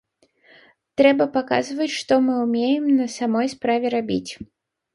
Трэба паказваць, што мы ўмеем на самой справе рабіць.